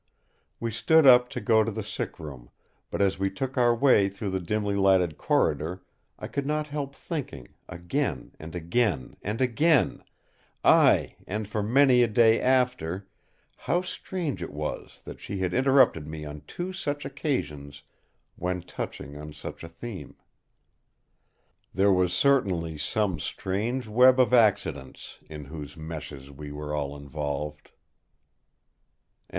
We stood up to go to the sick room; but as we took our way through the dimly lighted corridor I could not help thinking, again and again, and again—ay, and for many a day after—how strange it was that she had interrupted me on two such occasions when touching on such a theme. There was certainly some strange web of accidents, in whose meshes we were all involved.